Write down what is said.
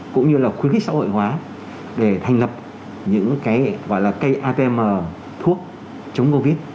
cũng như là khuyến khích xã hội hóa để thành lập những cái gọi là cây atm thuốc chống covid